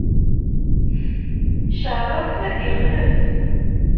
Cerref, ixlef!